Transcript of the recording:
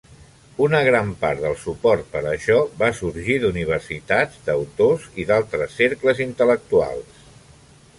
Una gran part del suport per a això va sorgir d'universitats, d'autors i d'altres cercles intel·lectuals.